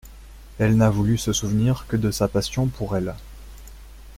Elle n'a voulu se souvenir que de sa passion pour elle.